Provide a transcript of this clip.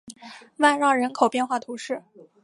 万让人口变化图示